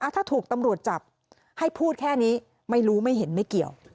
ถ้าถูกตำรวจจับให้พูดแค่นี้